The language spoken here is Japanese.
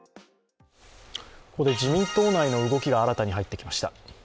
ここで自民党内の動きが新たに入ってきました。